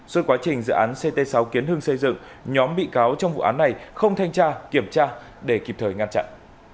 suốt quá trình dự án ct sáu kiến hưng xây dựng nhóm bị cáo trong vụ án này không thanh tra kiểm tra để kịp thời ngăn chặn